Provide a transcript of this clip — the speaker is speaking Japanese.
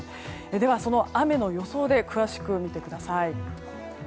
では、その雨の予想で詳しく見てください。